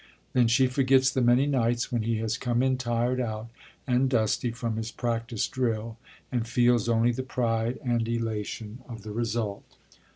Then she forgets the many nights when he has come in tired out and dusty from his practice drill, and feels only the pride and elation of the result.